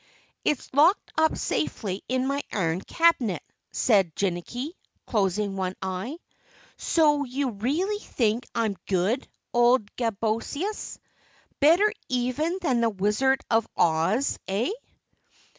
"It's locked up safely in my iron cabinet," said Jinnicky, closing one eye. "So you really think I'm good, old Gaboscis better even than the Wizard of Oz, eh?"